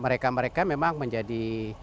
mereka mereka memang menjadi